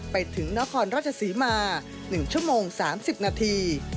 ไปถึงนครราชศรีมา๑ชั่วโมง๓๐นาที